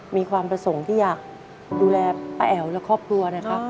มีความประสงค์ที่อยากดูแลป้าแอ๋วและครอบครัวนะครับ